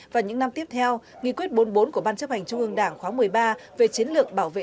và những năm tiếp theo nghị quyết bốn mươi bốn của ban chấp hành trung ương đảng khóa một mươi ba về chiến lược bảo vệ